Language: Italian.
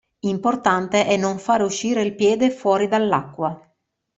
Importante è non fare uscire il piede fuori dall'acqua.